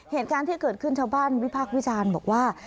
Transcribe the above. เหตุการณ์ที่เกิดขึ้นชาวบ้านวิพากษ์วิจารณ์บอกว่า